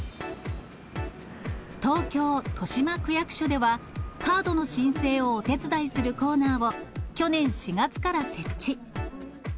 東京・豊島区役所では、カードの申請をお手伝いするコーナーを去年４月から設置。